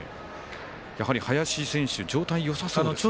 林選手状態はよさそうですね。